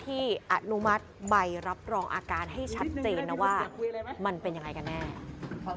อนุมัติใบรับรองอาการให้ชัดเจนนะว่ามันเป็นยังไงกันแน่